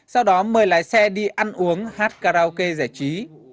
sau đó mời lái xe đi ăn uống hát karaoke giải trí